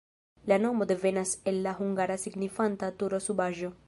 La nomo devenas el la hungara, signifanta turo-subaĵo.